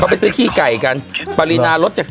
เขาไปซื้อขี้ไก่กันเปรียรา